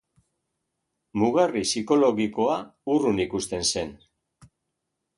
Mugarri psikologikoa urrun ikusten zen.